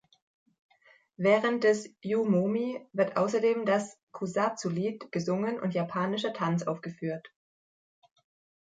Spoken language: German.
Während des Yu-momi wird außerdem das Kusatsu-Lied gesungen und japanischer Tanz aufgeführt.